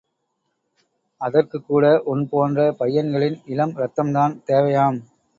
அதற்குக் கூட உன் போன்ற பையன்களின் இளம் ரத்தம்தான் தேவையாம்.